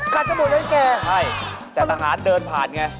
กันจะบวชยั้นแก่ใช่แต่สหารเดินผ่านไง